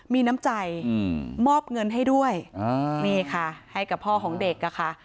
มีน้ำใจมอบเงินให้ด้วยนี่ค่ะให้กับพ่อของเด็กอะค่ะ